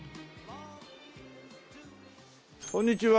こんにちは。